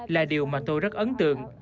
là điều mà tôi rất ấn tượng